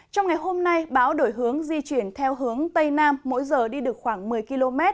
trong ngày hôm nay báo đổi hướng di chuyển theo hướng tây nam mỗi giờ đi được khoảng một mươi km